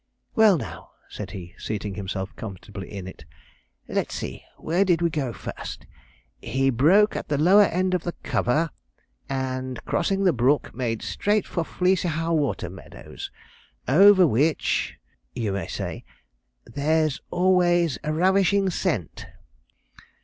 'Well, now,' said he, seating himself comfortably in it, 'let's see where did we go first? "He broke at the lower end of the cover, and, crossing the brook, made straight for Fleecyhaugh Water Meadows, over which, you may say, "there's always a ravishing scent."'